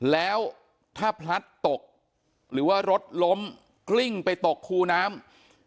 แล้วถ้าพลัดตกหรือว่ารถล้มกลิ้งไปตกคูน้ำ